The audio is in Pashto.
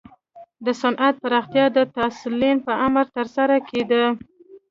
د صنعت پراختیا د ستالین په امر ترسره کېده